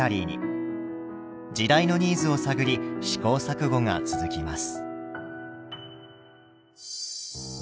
時代のニーズを探り試行錯誤が続きます。